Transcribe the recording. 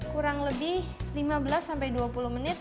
kurang lebih lima belas sampai dua puluh menit